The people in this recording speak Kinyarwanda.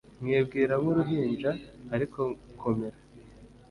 nkibwira nk uruhinja ariko komera